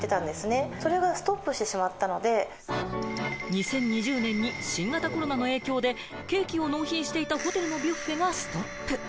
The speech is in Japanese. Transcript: ２０２０年に新型コロナの影響で、ケーキを納品していたホテルのビュッフェがストップ。